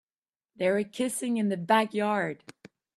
They were kissing in the backyard.